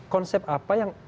konsep apa yang